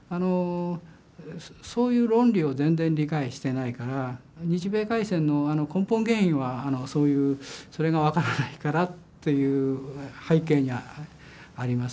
そういう論理を全然理解してないから日米開戦の根本原因はそういうそれが分からないからっていう背景がありますけど。